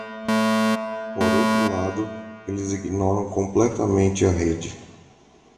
Por outro lado, eles ignoram completamente a rede.